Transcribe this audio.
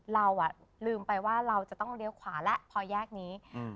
เราอ่ะลืมไปว่าเราจะต้องเลี้ยวขวาแล้วพอแยกนี้อืม